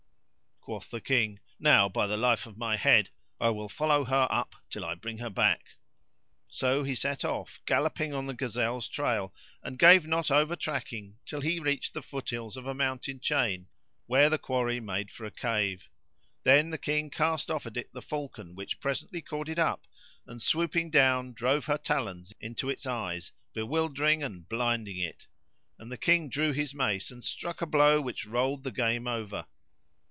Quoth the King, "Now, by the life of my head! I will follow her up till I bring her back." So he set off gallopping on the gazelle's trail and gave not over tracking till he reached the foot hills of a mountain chain where the quarry made for a cave. Then the King cast off at it the falcon which presently caught it up and, swooping down, drove her talons into its eyes, bewildering and blinding it;[FN#88] and the King drew his mace and struck a blow which rolled the game over.